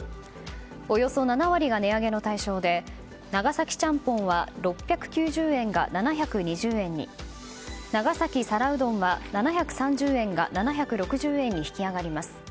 およそ７割が値上げの対象で長崎ちゃんぽんは６９０円が７２０円に長崎皿うどんは７３０円が７６０円に引き上がります。